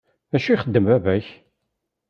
D acu ay ixeddem baba-k?